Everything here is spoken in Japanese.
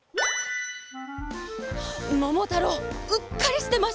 ももたろううっかりしてました。